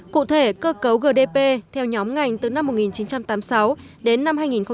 cụ thể cơ cấu gdp theo nhóm ngành từ năm một nghìn chín trăm tám mươi sáu đến năm hai nghìn một mươi năm